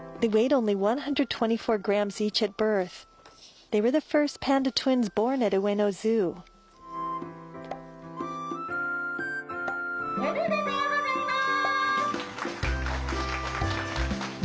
おめでとうございます！